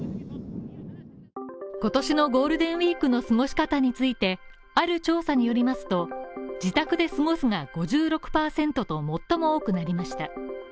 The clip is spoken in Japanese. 今年のゴールデンウィークの過ごし方について、ある調査によりますと自宅で過ごすが５６％と最も多くなりました。